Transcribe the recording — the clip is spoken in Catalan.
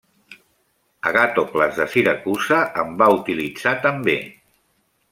Agàtocles de Siracusa en va utilitzar també.